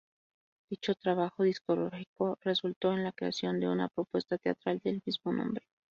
Dicho trabajo discográfico resultó en la creación de una propuesta teatral del mismo nombre.